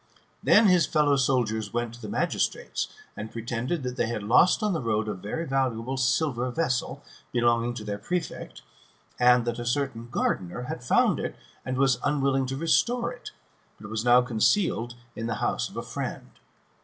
Then his fellow servants went to the magistrates, and pretended that they had lost on the road a very valuable silver vessel, belonging to their prefect, and that a certain gardener had found it, and was unwilling to restore it, but was now concealed in the house of a friend.